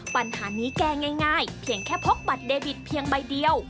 ปัญหานี้แก้ง่ายเพียงแค่พกบัตรเดบิตเพียงใบเดียว